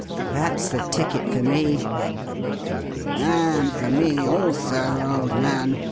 That's the ticket for me." "And for me also, old man!"